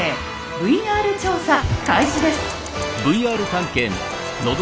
ＶＲ調査開始です！